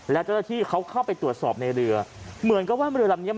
และะเท่าที่เขาเข้าไปตรวจสอบในเรือเหมือนก็ว่าเรือแบบนี้